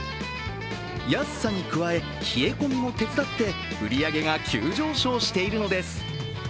安さに加え、冷え込みも手伝って売り上げが急上昇しているのです。